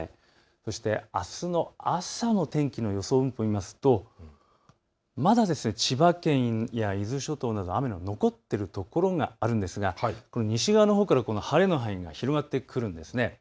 そしてあすの朝の天気の予想を見てみるとまだ千葉県や伊豆諸島など雨が残っているところがあるんですが西側のほうから晴れの範囲が広がってくるんです。